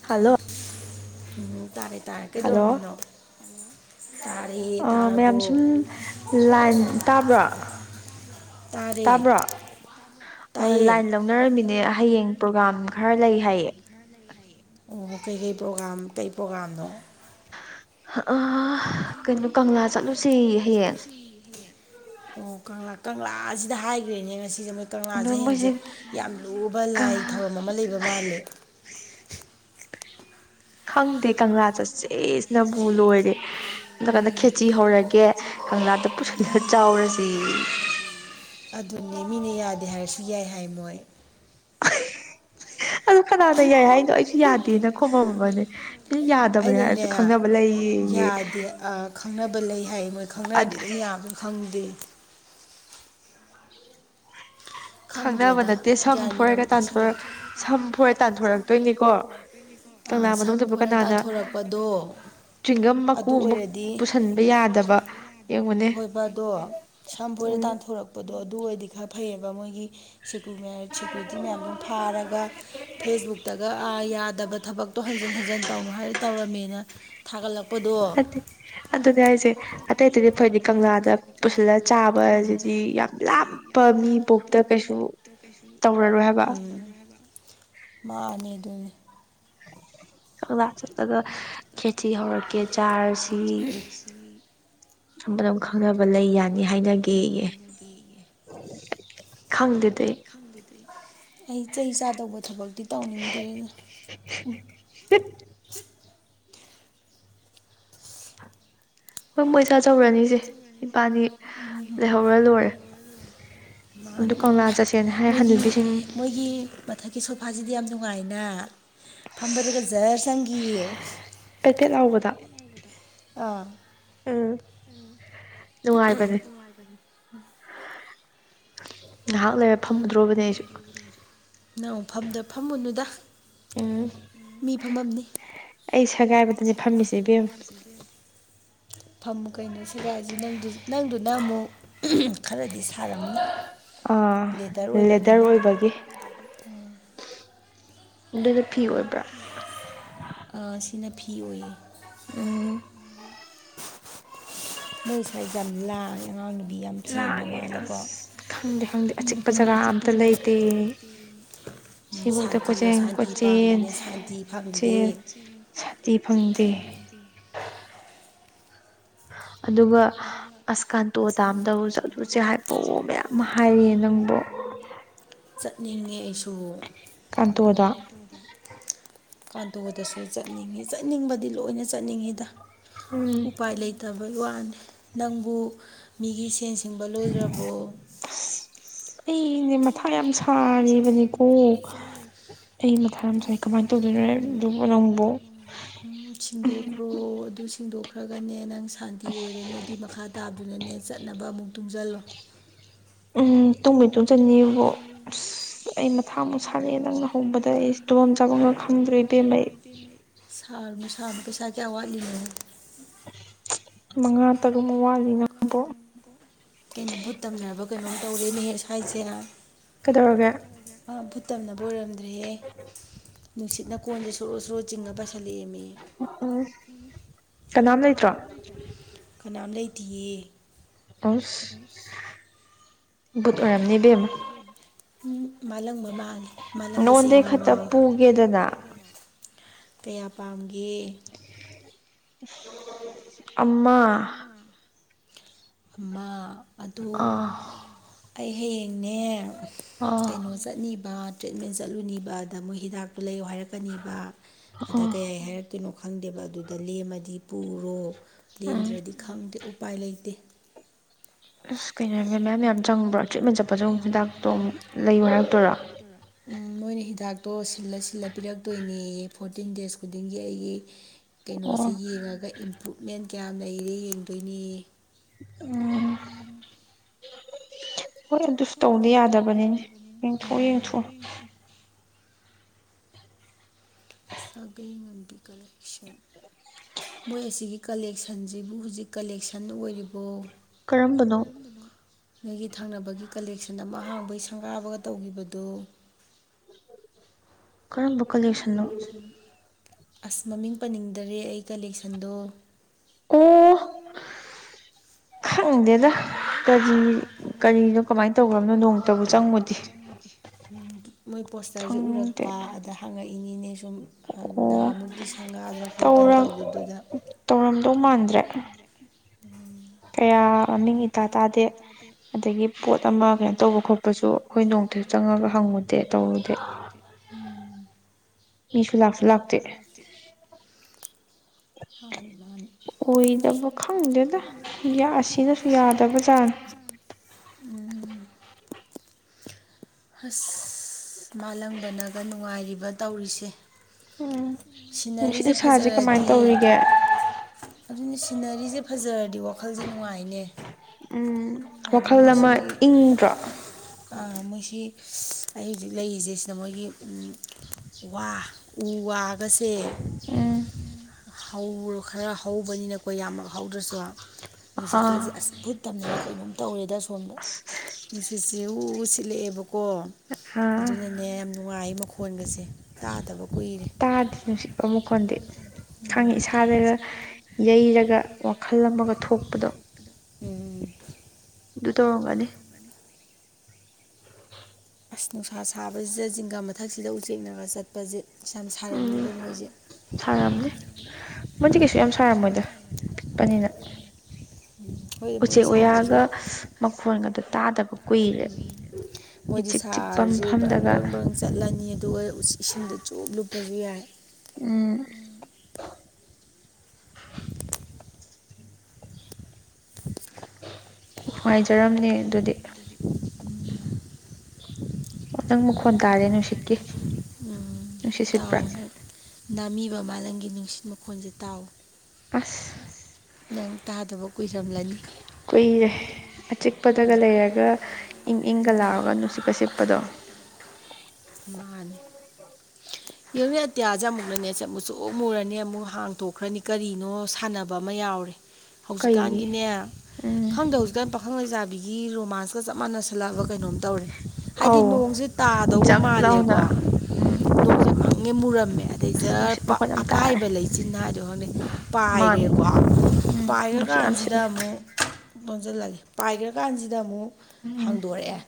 hello ꯎꯝ ꯇꯥꯔꯦ ꯇꯥꯔꯦ ꯍꯜꯂꯣ ꯀꯩꯗꯧꯔꯝꯃꯤꯅꯣ ꯇꯥꯔꯤ ꯃꯌꯥꯝ ꯇꯥꯔꯕꯕꯨ ꯁꯨꯝ ꯂꯥꯏꯟ ꯇꯥꯕ꯭ꯔꯣ ꯇꯔꯦꯠ ꯇꯥꯕ꯭ꯔꯣ ꯂꯥꯏꯟ ꯂꯧꯅꯔꯝꯃꯤꯅꯦ ꯍꯌꯦꯡ ꯄ꯭ꯔꯣꯒꯥ꯭ꯔꯝ ꯈꯔ ꯂꯩ ꯍꯥꯏꯌꯦ ꯑꯣ ꯀꯩꯀꯩ ꯄ꯭ꯔꯣꯒꯥ꯭ꯔꯥꯝ ꯀꯩ ꯄ꯭ꯔꯣꯒꯥꯥꯝꯅꯣ ꯑ ꯑꯣ ꯀꯥꯛ ꯀꯪꯂꯥꯁꯤꯗ ꯍꯥꯏꯈ꯭ꯔꯦꯅꯦ ꯉꯁꯤꯁꯦ ꯀꯪꯂꯥꯁꯦ ꯑꯗꯣ ꯍꯌꯦꯁꯦ ꯃꯣꯏꯁꯦ ꯌꯥꯝ ꯂꯨꯕ ꯂꯥꯏ ꯈꯪꯗꯦ ꯊꯧꯔꯝ ꯑꯃ ꯂꯩꯕ ꯃꯥꯜꯂꯦ [unintelligible] ꯈꯪꯗꯦ ꯀꯪꯂꯥ ꯆꯠꯁꯦꯁꯤꯅꯕꯨ ꯂꯣꯏꯔꯦ ꯅꯀꯥꯟꯗ ꯈꯦꯆꯤ ꯍꯧꯔꯒꯦ ꯀꯪꯂꯒꯥꯥꯗ ꯄꯨꯁꯤ ꯈꯔ ꯆꯥꯎꯔꯁꯤ ꯎꯝ ꯑꯗꯨꯅꯦ ꯃꯤꯅ ꯌꯥꯗꯦ ꯍꯥꯏꯔꯁꯨ ꯌꯥꯏ ꯍꯥꯏ ꯃꯣꯏ ꯑꯗꯨ ꯀꯅꯥꯅ ꯌꯥꯏ ꯍꯥꯏꯅꯣ ꯑꯩꯁꯨ ꯌꯥꯗꯦꯅ ꯈꯣꯝꯃꯝꯝꯕꯅꯦ ꯃꯤ ꯌꯥꯗꯕꯅꯦ ꯑꯩꯅꯅꯦ ꯍꯥꯏꯔꯁꯨ ꯈꯪꯅꯕ ꯂꯩꯌꯦ ꯌꯥꯗꯦ ꯈꯪꯅꯕ ꯂꯩ ꯍꯥꯏꯌꯦ ꯃꯣꯏ ꯈꯪꯅꯔꯗꯤ ꯑꯗꯨꯝ ꯌꯥꯕ ꯈꯪꯗꯦ ꯈꯪꯅꯕ ꯈꯪꯗ꯭ꯔꯦꯗ ꯅꯠꯇꯦ ꯁꯝ ꯒ꯭ꯌꯥꯟ ꯃꯦꯟ ꯑꯃ ꯐꯣꯔꯒꯥꯟꯣꯔꯛ ꯇꯥꯁꯜꯂꯛꯇ꯭ꯔꯦ ꯁꯝ ꯐꯣꯔ ꯇꯥꯟꯊꯣꯔꯛꯇꯣꯏꯅꯤꯀꯣ ꯑꯥ ꯀꯪꯂꯅꯥ ꯃꯅꯨꯡꯝ ꯁꯝ ꯆꯄ ꯐꯣꯏꯔ ꯀꯅꯥꯗ ꯇꯥꯟꯊꯣꯔꯛꯄꯗꯣ ꯆꯤꯡꯒꯝ ꯑꯗꯨ ꯃꯀꯣꯡꯝꯕ ꯄꯨꯁꯤꯟꯕ ꯌꯥꯗꯕ ꯌꯦꯡꯉꯨꯅꯦ ꯍꯣꯏꯕꯗꯣ ꯁꯝꯐꯣꯏꯔ ꯎꯝ ꯇꯥꯟꯊꯣꯔꯛꯄꯗꯣ ꯑꯗꯨ ꯑꯣꯏꯔꯗꯤ ꯈꯔ ꯐꯩꯑꯕ ꯃꯣꯏꯒꯤ ꯁꯦꯀꯌꯨꯔꯤꯇꯤ ꯃꯌꯥꯝꯗꯨꯝ ꯐꯥꯔꯒ ꯐꯦꯁꯕꯨꯛꯇꯒ ꯌꯥꯗꯕ ꯊꯕꯛꯇꯣ ꯍꯟ ꯍꯟꯖꯤꯟ ꯍꯟꯖꯤꯟ ꯇꯧꯅꯨ ꯍꯥꯏꯔ ꯇꯧꯔꯝꯃꯦꯅ ꯊꯥꯒꯠꯂꯛꯄ ꯐꯠꯇꯦ ꯑꯗꯨꯅꯦ ꯑꯩꯁꯦ ꯑꯇꯩ ꯑꯇꯩꯗꯤ ꯐꯔꯗꯤ ꯀꯪꯂꯥꯗ ꯄꯨꯁꯤꯜꯂꯒ ꯆꯥꯕꯁꯤꯗꯤ ꯌꯥꯝ ꯂꯥꯞꯄ ꯃꯤ ꯄꯣꯛꯇ ꯀꯩꯁꯨ ꯇꯧꯔꯔꯣꯏ ꯍꯥꯏꯕ ꯃꯥꯅꯦ ꯑꯗꯨꯅꯦ ꯍ ꯆꯠꯂꯒ ꯈꯦꯠꯁꯤ ꯍꯧꯔꯛꯀꯦ ꯆꯥꯔꯁꯤ ꯑꯃꯅ ꯑꯃ ꯈꯪꯅꯕ ꯂꯩ ꯌꯥꯅꯤ ꯍꯥꯏꯅꯒꯦ ꯈꯪꯗꯦ ꯑꯩ ꯆꯍꯤ ꯆꯥꯗꯧꯕ ꯊꯕꯛꯇꯤ ꯇꯧꯅꯤꯡꯗꯦ ꯍꯣꯏꯣꯏ ꯄꯣꯏꯁꯥ ꯆꯧꯔꯅꯤꯁꯦ ꯂꯩꯍꯧꯔ ꯂꯣꯏꯔꯦ ꯂꯩꯍꯧꯔ ꯑꯗꯨ ꯑꯗꯨ ꯀꯪꯂꯥ ꯃꯥ ꯆꯠꯁꯦꯅ ꯍꯥꯏ ꯃꯣꯏꯒꯤ ꯍꯅꯨꯕꯤꯁꯤꯡ ꯃꯣꯏꯒꯤ ꯃꯊ ꯁꯣꯐꯥꯁꯤꯗꯤ ꯌꯥꯝ ꯅꯨꯡꯉꯥꯏꯅ ꯐꯝꯕꯗꯒ ꯖꯔ ꯆꯪꯈꯤꯌꯦ ꯄꯦꯀꯦꯠ ꯂꯥꯎꯕꯗ ꯑꯥ ꯑꯥ [inaudible] ꯉꯍꯥꯛ ꯂꯩꯔ ꯐꯝꯃꯨꯗ꯭ꯔꯣꯕꯅꯦ ꯑꯩꯁꯨ ꯅꯪꯐꯝꯝꯗ ꯐꯝꯃꯨꯅꯨꯗ ꯎꯝ ꯃꯤ ꯐꯝꯃꯝꯅꯤ ꯑꯩ ꯁꯒꯥꯏꯕꯗꯅꯦ ꯐꯝꯃꯤꯁꯦ ꯏꯕꯦꯝ ꯐꯝ ꯀꯩꯅꯣ ꯁꯦꯒꯥꯏꯁꯦ ꯅꯪꯗꯨꯅ ꯑꯃꯨꯛ ꯈꯔꯗꯤ ꯁꯥꯔꯝꯃꯤ ꯂꯦꯗꯔ ꯑꯣꯏꯕꯒꯤ ꯑꯗꯨꯅ ꯐꯤ ꯑꯣꯏꯕ꯭ꯔꯥ ꯁꯤꯅ ꯐꯤ ꯑꯣꯏꯌꯦ ꯎꯝ ꯃꯣꯏ ꯁ꯭ꯋꯥꯏꯁꯦ ꯌꯥꯝ ꯂꯥꯡꯉꯦ ꯑꯉꯥꯡ ꯅꯨꯕꯤ ꯌꯥꯝ ꯆꯦꯟꯕ ꯂꯥꯡꯉꯦ ꯃꯥꯜꯂꯤꯀꯣ ꯑꯁ ꯈꯪꯗꯦ ꯈꯪꯗꯦ ꯑꯆꯤꯛꯄ ꯖꯒꯥ ꯑꯝꯇ ꯂꯩꯇꯦ ꯎ ꯁꯤꯐꯧꯗ ꯁꯥꯟꯇꯤꯅ ꯀꯣꯏꯆꯦꯟ ꯁꯥꯟꯇꯤ ꯀꯣꯏꯆꯦꯟ ꯄꯥꯝꯕꯅꯦ ꯁꯥꯟꯇꯤ ꯐꯪꯗꯦ ꯁꯇꯤ ꯐꯪꯗꯦ [unintelligible] ꯎ ꯑꯗꯨꯒ ꯑꯁꯀꯥꯟꯇꯣ ꯇꯥꯝꯗꯕꯨ ꯆꯠꯂꯨꯁꯦ ꯍꯥꯏꯕꯣ ꯃꯌꯥꯝ ꯑꯃ ꯍꯥꯏꯔꯤꯦ ꯅꯪꯕꯨ ꯆꯠꯅꯤꯡꯉꯦ ꯑꯩꯁꯨ ꯑꯗꯣ ꯀꯥꯟꯇꯣꯗꯣ ꯀꯥꯟꯗꯣꯗꯁꯨ ꯆꯠꯅꯤꯡꯉꯤꯠ ꯆꯠꯅꯤꯡꯕꯗꯤ ꯂꯣꯏꯅ ꯆꯠꯅꯤꯡꯉꯤꯗ ꯎꯝ ꯎꯄꯥꯏ ꯂꯩꯇꯕꯩ ꯋꯥꯅꯤ ꯅꯪꯕꯨ ꯃꯤꯒꯤ ꯁꯦꯟ ꯁꯤꯡꯕ ꯂꯣꯏꯈ꯭ꯔꯕꯣ ꯑꯩꯅꯦ ꯃꯊꯥ ꯌꯥꯝ ꯁꯥꯔꯤꯕꯅꯤꯀꯣ ꯑꯩ ꯃꯊꯥ ꯑꯃꯁꯁꯥꯏ ꯀꯃꯥꯏꯅ ꯇꯧꯗꯣꯏꯅꯣꯦ ꯑꯗꯨꯕꯨ ꯅꯪꯕꯨ ꯁꯤꯡꯗꯣꯛꯈ꯭ꯔꯣ ꯑꯗꯨ ꯁꯤꯡꯗꯣꯛꯈ꯭ꯔꯒꯅꯦ ꯅꯪ ꯁꯥꯟꯇꯤ ꯑꯣꯏꯔꯅꯤ ꯑꯗꯨꯏ ꯃꯈꯥ ꯇꯥꯗꯨꯅꯅꯦ ꯆꯠꯅꯕ ꯑꯃꯨꯛ ꯇꯨꯡꯁꯤꯜꯂꯣ ꯎꯝ ꯇꯨꯡꯕꯩ ꯇꯨꯡ ꯆꯅꯤꯕꯣ ꯑꯁ ꯑꯁ ꯑꯩ ꯃꯊꯥꯃꯨꯛ ꯁꯥꯠꯂꯛꯑꯦ ꯅꯪꯅ ꯍꯧꯕꯗ ꯑꯩ ꯏꯁꯇꯣꯟ ꯆꯥꯐꯝꯒ ꯈꯪꯗ꯭ꯔꯦ ꯏꯕꯦꯝꯃꯩ ꯁꯥꯔꯅꯨ ꯁꯥꯔꯕ ꯄꯩꯁꯥ ꯀꯌꯥ ꯋꯥꯠꯂꯤꯅꯣ ꯃꯉꯥ ꯇꯔꯨꯛ ꯃ ꯋꯥꯠꯂꯤ ꯅꯪꯕꯣ ꯀꯩꯅꯣ ꯚꯨꯠ ꯇꯝꯅꯔꯕ ꯀꯩꯅꯣꯝ ꯇꯧꯔꯦ ꯅꯦ ꯁ꯭ꯋꯥꯏꯁꯦ ꯀꯩꯗꯧꯔꯒꯦ ꯑꯥ ꯕꯨꯠ ꯇꯝꯅꯕ ꯑꯣꯏꯔꯝꯗ꯭ꯔꯦꯍꯦ ꯅꯨꯡꯁꯤꯠꯅ ꯀꯣꯟꯁꯦ ꯁꯣꯔꯣ ꯁꯨꯔꯣ ꯆꯤꯡꯉ ꯄꯩ ꯈꯜꯂꯤꯃꯤ ꯎꯝ ꯀꯅꯥꯝ ꯂꯩꯇ꯭ꯔꯣ ꯀꯅꯥꯝ ꯂꯩꯇꯌꯦ ꯑ ꯨꯙ ꯋꯥꯔꯥꯝꯅꯦꯗꯦꯝ ꯎꯝ ꯃꯥ ꯂꯪꯕ ꯃꯥ ꯅꯉꯣꯟꯗꯩ ꯈꯛꯇ ꯄꯨꯒꯦꯗꯅ ꯀꯌꯥ ꯄꯥꯝꯒꯦ ꯑꯃ ꯑꯃ ꯑꯗꯨ ꯑꯥ ꯑꯩ ꯍꯌꯦꯡꯅꯦ ꯑꯥ ꯀꯩꯅꯣ ꯆꯠꯅꯤꯕ ꯇ꯭ꯔꯤꯠꯃꯦꯟ ꯆꯠꯂꯨꯅꯤꯕꯗ ꯃꯣꯏ ꯍꯤꯗꯥꯛꯇꯣ ꯂꯩ ꯍꯥꯏꯔꯛꯀꯅꯤꯕ ꯑꯗ ꯑꯥ ꯀꯌꯥ ꯍꯥꯏꯔꯛꯇꯣꯏꯅꯣ ꯈꯪꯗꯦꯕ ꯑꯗꯨꯗ ꯂꯦꯝꯃꯗꯤ ꯄꯨꯔꯣ ꯎꯝ ꯂꯦꯝꯗ꯭ꯔꯗꯤ ꯈꯪꯗꯦ ꯎꯄꯥꯏ ꯂꯩꯇꯦ ꯑꯁ ꯀꯩꯅꯣ ꯃꯦꯝ ꯌꯥꯝ ꯆꯪꯕ꯭ꯔꯥ ꯇ꯭ꯔꯤꯠꯃꯦꯟ ꯆꯠꯄꯗꯣ ꯍꯤꯗꯥꯛꯇꯣ ꯑꯃꯨꯛ ꯂꯩꯌꯨ ꯍꯥꯏꯔꯛꯇꯣꯏꯔ ꯃꯣꯏꯅ ꯍꯤꯗꯥꯛꯇꯣ ꯁꯤꯜꯂ ꯁꯤꯜꯂ ꯄꯤꯔꯛꯇꯣꯏꯅꯦ ꯐꯣꯔꯇꯤꯟ ꯗꯦꯖ ꯈꯨꯗꯤꯡꯒꯤ ꯑꯩꯒꯤ ꯀꯩꯅꯣꯁꯦ ꯑꯣ ꯌꯦꯡꯉꯒ ꯏꯝꯄ꯭ꯔꯨꯞꯃꯦꯟ ꯀꯌꯥꯝ ꯂꯩꯔꯦ ꯌꯦꯡꯗꯣꯏꯅꯤ ꯎꯝ ꯍꯣꯏ ꯑꯗꯨꯁꯨ ꯇꯧꯗꯤ ꯌꯥꯗꯕꯅꯤꯅꯦ ꯌꯦꯡꯊꯣꯛ ꯌꯦꯡꯊꯣꯛꯎ ꯁꯥꯒꯩ ꯉꯟꯕꯤ ꯀꯂꯦꯛꯁꯟ ꯃꯣꯏ ꯑꯁꯤꯒꯤ ꯀꯂꯦꯛꯁꯟꯁꯤꯕꯨ ꯍꯧꯖꯤꯛ ꯀꯂꯦꯛꯁꯟ ꯑꯣꯏꯔꯤꯕꯣ ꯀꯔꯝꯕꯅꯣ ꯅꯣꯏꯒꯤ ꯊꯪꯅꯕꯒꯤ ꯀꯂꯦꯛꯁꯟ ꯑꯃ ꯍꯥꯡꯕꯩ ꯁꯪꯒꯥꯕꯒ ꯇꯧꯈꯤꯕꯗꯨꯣ ꯀꯔꯝ ꯕꯨ ꯀꯜꯌꯁꯟꯅꯣ ꯑꯁ ꯃꯃꯤꯡ ꯄꯟꯅꯤꯡꯗꯔꯦ ꯑꯩ ꯀꯂꯦꯛꯁꯟꯗꯣ ꯑꯣ ꯈꯪꯗꯦꯗ ꯀꯔꯤ ꯀꯔꯤꯅꯣ ꯀꯃꯥꯏꯅ ꯇꯧꯈ꯭ꯔꯕꯅꯣ ꯅꯣꯡꯇꯕꯨ ꯆꯪꯉꯨꯗꯤ ꯃꯣꯏ ꯄꯣꯁꯇꯔꯁꯦ ꯎꯔꯛꯄ ꯑꯗ ꯍꯪꯉꯛꯏ ꯏꯅꯤꯅꯦ ꯁꯨꯝ ꯑꯣ ꯅꯍꯥꯃꯨꯛꯇꯤ ꯁꯪꯒꯥꯗꯅ ꯈꯣꯠꯇꯅ ꯇꯧꯈꯤꯕꯗꯨꯗ ꯃꯥꯥꯟꯗ꯭ꯔ ꯑꯌꯥ ꯇꯇꯥꯥ ꯇꯥꯗꯦ ꯑꯗꯒꯤ ꯄꯣꯠ ꯑꯃ ꯀꯩꯅꯣ ꯇꯧꯕ ꯈꯣꯠꯄꯁꯨ ꯑꯩꯈꯣꯏ ꯅꯣꯡꯇꯁꯨ ꯆꯪꯉꯒ ꯍꯪꯉꯨꯗꯦ ꯇꯧꯗ ꯃꯤꯁꯨ ꯂꯥꯛꯁꯨ ꯂꯥꯛꯇ ꯃꯥꯅꯤ ꯃꯥꯅꯤ ꯑꯣꯏꯏꯗꯕ ꯈꯥꯗꯗ ꯌꯥ ꯑꯁꯤꯅꯁꯨ ꯌꯥꯗꯕ ꯆꯔ ꯎꯝ ꯍꯁ ꯃꯥꯜꯂꯪꯕꯅꯒ ꯅꯨꯡꯉꯥꯏꯔꯤꯕ ꯇꯧꯔꯤꯁꯦ ꯎꯝ ꯅꯨꯡꯁꯤꯠ ꯁꯤꯅꯔꯤꯁꯦ ꯅꯨꯡꯁꯥꯁꯦ ꯀꯃꯥꯏꯅ ꯐꯖꯔꯗꯤ ꯇꯧꯔꯤꯒꯦ ꯑꯗꯨꯅꯤ ꯁꯤꯅꯔꯤꯁꯦ ꯐꯖꯔꯗꯤ ꯋꯥꯈꯜꯁꯦ ꯅꯨꯡꯉꯥꯏꯅꯦ ꯎꯝ ꯍꯥꯏꯗꯤ ꯋꯥꯈꯜ ꯑꯃ ꯃꯣꯏꯁꯤꯒꯤ ꯏꯪꯗ꯭ꯔꯣ ꯃꯣꯏꯁꯤ ꯑꯩ ꯍꯧꯖꯤꯛ ꯂꯩꯔꯤꯁꯦ ꯁꯤꯗ ꯃꯣꯏꯒꯤ ꯋꯥ ꯎ ꯋꯥ ꯒꯁꯦ ꯈꯔ ꯍꯧꯕꯅꯤꯅꯀꯣ ꯌꯥꯝꯃꯛ ꯍꯧꯗ꯭ꯔꯁꯨ ꯅꯨꯡꯁꯤꯠ ꯀꯁꯦ ꯑꯥ ꯑꯁ ꯕꯨꯠ ꯇꯝꯅꯩꯔꯦ ꯀꯩꯅꯣꯝ ꯇꯧꯔꯦꯗ ꯁꯣꯝꯗ ꯑꯁ ꯅꯨꯡꯁꯤꯠꯁꯦ ꯁꯤ ꯎ ꯁꯤꯠꯂꯛꯑꯦꯕꯀꯣ ꯑꯗꯨꯅꯅꯦ ꯌꯥꯝ ꯅꯨꯡꯉꯥꯏ ꯃꯈꯣꯟꯒꯁꯦ ꯇꯥꯗꯕ ꯀꯨꯏꯔꯦ ꯇꯥꯗꯤ ꯅꯨꯡꯁꯤꯠꯄ ꯃꯈꯣꯟꯗꯤ ꯎꯝ ꯈꯪꯉꯤ ꯏꯁꯥꯗꯒ ꯌꯩꯔꯒ ꯋꯥꯈꯜ ꯑꯃꯒ ꯊꯣꯛꯄꯗꯣ ꯎꯝ ꯑꯗꯨ ꯇꯧꯔꯝꯒꯅꯤ ꯑꯁ ꯅꯨꯡꯁꯥ ꯁꯥꯕꯁꯤꯗ ꯖꯤꯡꯒꯥ ꯃꯊꯛꯁꯤꯗ ꯎꯆꯦꯒ ꯆꯠꯄꯁꯦ ꯌꯥꯝ ꯎꯝ ꯁꯥꯔꯝꯅꯤꯕꯨ ꯃꯣꯏꯁꯦ ꯁꯥꯔꯑꯝꯅꯦ ꯃꯣꯏꯗꯤ ꯀꯩꯁꯨ ꯌꯥꯝ ꯁꯥꯔꯝꯃꯣꯏꯗ ꯑꯝ ꯄꯤꯛꯄꯅꯤꯅ ꯃꯣꯏ ꯎꯆꯦꯛ ꯁꯥꯔꯁꯨ ꯋꯥꯌꯥꯒ ꯃꯈꯣꯟꯒꯗꯣ ꯇꯥꯗꯕ ꯀꯨꯏꯔꯦ ꯃꯣꯏꯗꯤ ꯏꯆꯤꯛ ꯆꯤꯛꯄ ꯁꯥꯔꯁꯨ ꯕ꯭ꯔꯪ ꯃꯐꯝꯗꯒ ꯕ꯭ꯔꯪ ꯕ꯭ꯔꯪ ꯆꯠꯂꯅꯤ ꯑꯗꯨꯒ ꯏꯁꯤꯡꯗ ꯆꯨꯞ ꯂꯨꯞꯄꯁꯨ ꯌꯥꯏ ꯎꯝ ꯎꯝ ꯅꯨꯡꯉꯥꯏꯖꯔꯝꯅꯦ ꯑꯗꯨꯗꯤ ꯑꯣ ꯅꯪ ꯃꯈꯣꯟ ꯇꯥꯔꯦ ꯅꯨꯡꯁꯤꯠꯀꯤ ꯎꯝ ꯅꯨꯡꯁꯤꯠꯁꯤꯠꯄ꯭ꯔꯥ ꯇꯥꯎꯑꯣ ꯅꯪ ꯅꯥꯃꯤꯕ ꯃꯥꯂꯪꯒꯤ ꯅꯨꯡꯁꯤꯠ ꯃꯈꯣꯟꯁꯦ ꯇꯥꯎ ꯑꯁ ꯅꯪ ꯇꯥꯗꯕ ꯀꯨꯏꯔꯝꯂꯅꯤ ꯀꯨꯏꯔꯦ ꯑꯆꯤꯛꯄꯗꯒ ꯂꯩꯔꯒ ꯏꯪ ꯏꯪꯒ ꯂꯥꯎꯒ ꯅꯨꯡꯁꯤꯠꯀ ꯁꯤꯠ ꯄꯥꯗꯣ ꯌꯦꯡꯎꯅꯦ ꯑꯇꯤꯌꯥꯁꯦ ꯑꯃꯨꯛꯅꯅꯦꯁꯦ ꯃꯨꯁꯨꯛ ꯃꯨꯔꯅꯤ ꯑꯃꯨꯛ ꯍꯥꯡꯊꯣꯛꯈ꯭ꯔꯅꯤ ꯀꯔꯤꯅꯣ ꯁꯥꯟꯅꯕ ꯑꯃ ꯌꯥꯎꯔꯦ ꯀꯩ ꯍꯧꯖꯤꯛꯀꯥꯟꯒꯤꯅꯦ ꯎꯝ ꯈꯪꯗꯦ ꯍꯧꯖꯤꯛꯀꯥꯟ ꯄꯥꯈꯪ ꯂꯩꯁꯥ ꯕꯤꯒꯤ ꯔꯣꯃꯥꯟꯁꯀ ꯆꯞ ꯃꯥꯟꯅꯁꯜꯂꯛꯑꯕ ꯀꯩꯅꯣꯝ ꯇꯧꯔꯦ ꯍꯥꯏꯗꯤ ꯑꯧ ꯅꯣꯡꯁꯦ ꯇꯥꯗꯧꯕ ꯖꯛ ꯃꯥꯜꯂꯦꯀꯣ ꯂꯥꯎꯅ ꯎꯝ ꯃꯨꯔꯝꯃꯦ ꯑꯗꯩ ꯑꯁ ꯖꯔ ꯅꯨꯡꯁꯤꯠ ꯃꯈꯣꯟ ꯌꯥꯝ ꯑꯄꯥꯏꯕ ꯇꯥꯔꯦ ꯂꯩꯆꯤꯟꯅ ꯍꯥꯏꯗꯣ ꯈꯪꯗꯦ ꯃꯥꯅꯦ ꯄꯥꯏꯔꯦꯀꯣ ꯎꯝ ꯄꯥꯏ ꯅꯨꯡꯁꯤꯠ ꯌꯥꯝ ꯀꯥꯟꯁꯤꯗ ꯁꯤꯠꯂꯦ ꯑꯃꯨꯛ ꯂꯣꯟꯁꯤꯜꯂꯒꯦ ꯄꯥꯏ ꯀꯥꯟꯁꯤꯗ ꯑꯃꯨꯛ ꯎꯝ ꯍꯥꯡꯗꯣꯔꯛꯑꯦ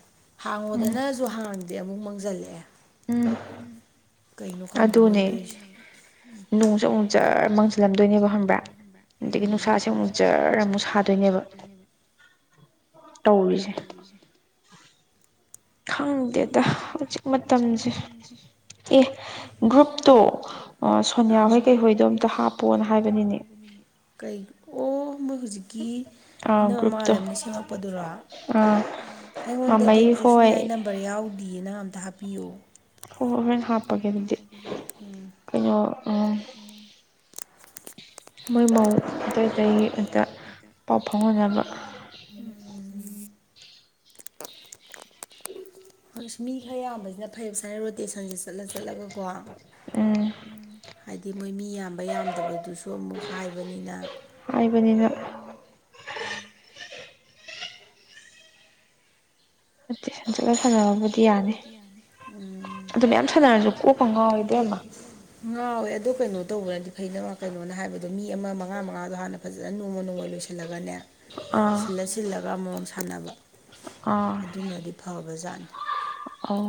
ꯎꯝ ꯍꯥꯡꯉꯣꯗꯅꯁꯨ ꯍꯥꯡꯗꯦ ꯑꯃꯨꯛ ꯃꯥꯡꯁꯤꯜꯂꯛꯑꯦ ꯎꯝ ꯀꯩꯅꯣ ꯈꯪꯗꯦ ꯃꯣꯏ ꯇꯣꯏꯁꯦ ꯅꯣꯡꯁꯨ ꯑꯃꯨꯛ ꯖꯔ ꯃꯥꯡꯁꯤꯜꯂꯝꯗꯣꯏꯅꯦꯕ ꯈꯪꯕ꯭ꯔꯥ ꯑꯗꯒꯤ ꯎꯝ ꯅꯨꯡꯁꯥꯁꯦ ꯑꯃꯨꯛ ꯖꯔ ꯑꯃꯨꯛ ꯁꯥꯗꯣꯏꯅꯦꯕ ꯇꯧꯔꯤꯁꯦ ꯈꯪꯗꯦꯗ ꯍꯧꯖꯤꯛ ꯃꯇꯝꯁꯦ ꯑꯦ ꯒ꯭ꯔꯨꯞꯇꯣ ꯁꯣꯅꯤꯌꯥ ꯑꯥ ꯍꯣꯏ ꯀꯩꯍꯣꯏꯗꯣ ꯑꯝꯇ ꯍꯥꯞꯄꯣꯅ ꯍꯥꯏꯕꯅꯤꯅꯦ ꯀꯩ ꯑꯣ ꯃꯣꯏ ꯍꯧꯖꯤꯛꯀꯤ ꯑꯥ ꯏꯅꯝꯃꯥ ꯒ꯭ꯔꯨꯞꯇꯣ ꯃꯉꯥꯜꯂꯩꯝꯅ ꯁꯦꯝꯃꯛꯄꯗꯨꯔꯣ ꯑꯥ ꯑꯩꯉꯣꯟꯗꯗꯤ ꯃꯃꯩ ꯍꯧꯖꯤꯛ ꯁꯨ ꯌꯥ ꯍꯥꯏ ꯍꯣꯏ ꯇꯧꯗꯤꯌꯦ ꯅꯪ ꯑꯝꯇ ꯍꯥꯞꯄꯤꯌꯣ ꯍꯣ ꯍꯣ ꯍꯣꯔꯦꯟ ꯍꯥꯞꯄꯒꯦ ꯑꯗꯨꯗꯤ ꯎꯝ ꯀꯩꯅꯣ ꯃꯣꯏ ꯃꯧ ꯑꯇꯩ ꯑꯇꯩꯒꯤ ꯑꯗ ꯄꯥꯎ ꯐꯥꯎꯅꯅꯕ ꯎꯝ [inaudible] ꯍꯣꯏ ꯃꯤ ꯈꯔ ꯌꯥꯝꯕꯁꯤꯅ ꯐꯩꯕ ꯁꯥꯏꯅ ꯔꯣꯇꯦꯁ ꯁꯟꯁꯦ ꯆꯠꯂ ꯆꯠꯂꯒꯀꯣ ꯎꯝ ꯍꯥꯏꯗꯤ ꯃꯣꯏ ꯃꯤ ꯌꯥꯝꯕ ꯌꯥꯝꯗꯕ ꯑꯗꯨꯁꯨ ꯑꯃꯨꯛ ꯍꯥꯏꯕꯅꯤꯅ ꯍꯥꯏꯕꯅꯤꯅ ꯅꯠꯇꯦ ꯍꯟꯖꯤꯠꯂ ꯁꯥꯟꯅꯕꯕꯨꯗꯤ ꯌꯥꯅꯤ ꯎꯝ ꯑꯗꯨ ꯃꯌꯥꯝ ꯁꯥꯟꯅꯔꯁꯨ ꯀꯣꯛꯀ ꯉꯥꯎꯋꯦ ꯏꯕꯦꯝꯃ ꯉꯥꯎꯋꯦ ꯑꯗꯣ ꯀꯩꯅꯣ ꯇꯧꯕꯅꯗꯤ ꯐꯩ ꯅꯝꯃꯥ ꯀꯩꯅꯣꯅ ꯍꯥꯏꯕꯗꯣ ꯃꯤ ꯑꯃ ꯃꯉꯥ ꯃꯉꯥꯗꯣ ꯍꯥꯟꯅ ꯐꯖꯅ ꯅꯣꯡꯃ ꯅꯣꯡꯃ ꯂꯣꯏꯁꯤꯜꯂꯒꯅꯦ ꯑꯥ ꯁꯤꯜꯂ ꯁꯤꯜꯂꯒ ꯑꯃꯑꯣꯡ ꯁꯥꯟꯅꯕ ꯑꯗꯨꯅꯗꯤ ꯐꯕ ꯖꯥꯠꯅꯤ ꯑꯣ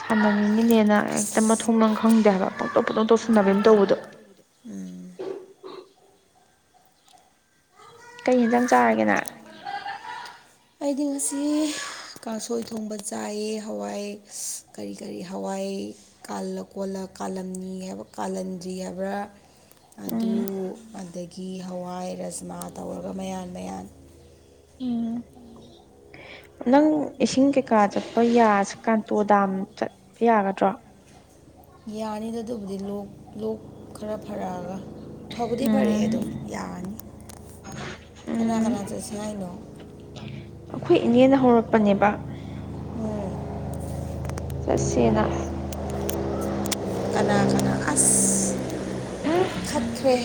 ꯁꯥꯟꯅꯅꯤꯡꯤꯅꯦꯅ ꯍꯦꯛꯇ ꯃꯊꯣꯡꯅ ꯈꯪꯗꯦ ꯍꯥꯏꯕ ꯄꯪꯇꯧꯞ ꯄꯪꯅꯧꯇꯣꯞ ꯁꯨꯟꯅꯅꯕꯅ ꯇꯧꯕꯗꯣ [inaudible] ꯀꯩ ꯍꯤꯟꯖꯥꯡ ꯆꯥꯔꯒꯦ ꯅꯪ ꯑꯩꯗꯤ ꯉꯁꯤ ꯀꯥꯡꯁꯣꯏ ꯊꯣꯡꯕ ꯆꯥꯏꯑꯦ ꯍꯋꯥꯏ ꯀꯔꯤ ꯀꯔꯤ ꯍꯋꯥꯏ ꯑꯩ ꯀꯥꯜꯂ ꯀꯣꯜꯂ ꯀꯥꯂꯝꯅꯤ ꯍꯥꯏꯕ ꯀꯥꯂꯝꯟꯗ꯭ꯔꯤ ꯍꯥꯏꯕ꯭ꯔꯥ ꯑꯗꯨ ꯎꯝ ꯑꯗꯒꯤ ꯍꯋꯥꯏ ꯔꯥꯖꯃꯥ ꯇꯧꯔꯒ ꯃꯌꯥꯟ ꯃꯌꯥꯟ ꯎꯝ ꯅꯪ ꯏꯁꯤꯡ ꯀꯩꯀꯥ ꯆꯠꯄ ꯌꯥ ꯀꯥꯟꯇꯣ ꯗꯥꯝ ꯆꯠꯄ ꯌꯥꯒꯗ꯭ꯔꯣ ꯌꯥꯅꯤꯗ ꯑꯗꯨꯕꯨꯗꯤ ꯂꯣꯛ ꯂꯣꯛ ꯈꯔ ꯐꯔꯛꯑꯒ ꯐꯕꯨꯗꯤ ꯐꯔꯦ ꯑꯗꯨꯝ ꯎꯝ ꯌꯥꯔꯅꯤ ꯀꯅꯥ ꯎꯝ ꯀꯅꯥ ꯆꯠꯁꯦ ꯍꯥꯏꯩꯅꯣ ꯀꯞꯄꯅꯦꯕ ꯆꯠꯁꯅ ꯀꯅꯥ ꯀꯅꯥ ꯈ ꯈꯠꯇ꯭ꯔꯦ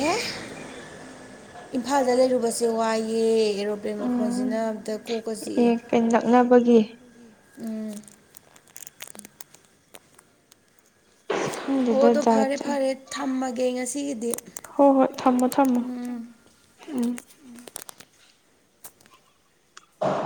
ꯏꯝꯐꯥꯜꯗ ꯂꯩꯔꯨꯕꯁꯦ ꯋꯥꯏꯑꯦ ꯑꯦꯔꯣꯄ꯭ꯂꯦꯟ ꯃꯈꯣꯟꯁꯤꯅ ꯑꯝꯇ ꯀꯣꯛ ꯀ ꯅꯛꯅꯕꯒꯤ ꯎꯝ ꯑꯣ ꯈꯪꯗꯦꯗ ꯑꯗꯣ ꯖꯥꯠ ꯐꯔꯦ ꯖꯥꯠ ꯐꯔꯦ ꯊꯝꯃꯒꯦ ꯉꯁꯤꯒꯤꯗꯤ ꯍꯣꯏ ꯍꯣꯏ ꯊꯝꯃꯣ ꯊꯝꯃꯣ ꯎꯝ ꯎꯝ